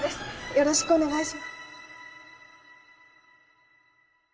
よろしくお願いし。